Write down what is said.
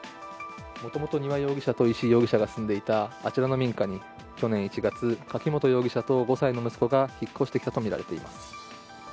もともと丹羽容疑者と石井容疑者が住んでいたあちらの民家に、去年１月柿本容疑者と５歳の息子が引っ越してきたとみられています。